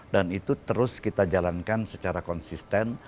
dan itu terus kita jalankan secara konsisten